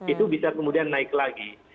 itu bisa kemudian naik lagi